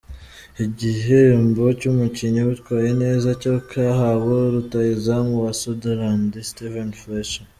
Igihembo cy’umukinnyi witwaye neza cyo cyahawe rutahizamu wa Sunderland ,Steven Fletcher.